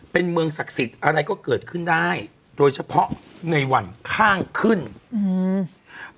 เป็นเมืองศักดิ์สิทธิ์อะไรก็เกิดขึ้นได้โดยเฉพาะในวันข้างขึ้นอืม